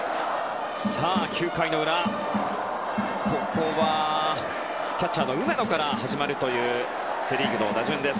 ９回の裏、ここはキャッチャーの梅野から始まるというセ・リーグの打順です。